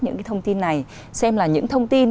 những thông tin này xem là những thông tin